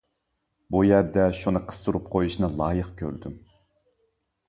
بۇ يەردە شۇنى قىستۇرۇپ قۇيۇشنى لايىق كۆردۈم.